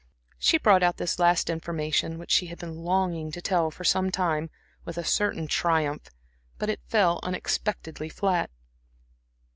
She brought out this last information, which she had been longing to tell for some time, with a certain triumph; but it fell unexpectedly flat.